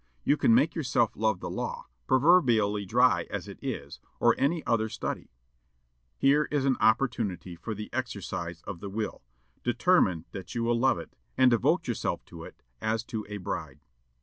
You can make yourself love the law, proverbially dry as it is, or any other study. Here is an opportunity for the exercise of the will. Determine that you will love it, and devote yourself to it as to a bride."